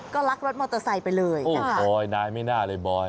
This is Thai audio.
ก็ลักรถมอเตอร์ไซค์ไปเลยโอ้โหนายไม่น่าเลยบอย